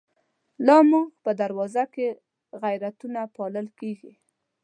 لا زمونږ په دروازو کی، غیرتونه پا لل کیږی